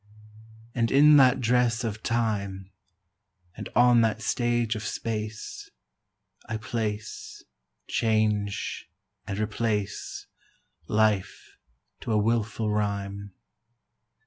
And in that dress of time And on that stage of space I place, change, and replace Life to a wilful rime.